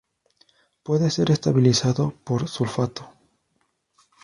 Puede ser estabilizado por sulfato.